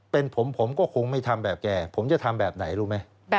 เป็นผมผมก็คงไม่ทำแบบแกผมจะทำแบบไหนรู้ไหม